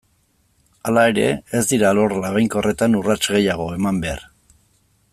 Hala ere, ez dira alor labainkorretan urrats gehiago eman behar.